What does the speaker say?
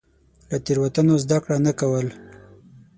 له تېروتنو زده کړه نه کول.